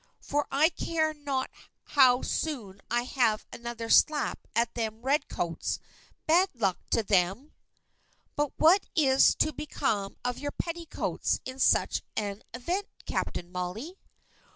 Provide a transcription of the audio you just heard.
for I care not how soon I have another slap at them Red Coats, bad luck to them!" "But what is to become of your petticoats, in such an event, Captain Molly?"